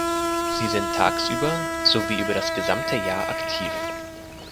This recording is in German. Sie sind tagsüber sowie über das gesamte Jahr aktiv.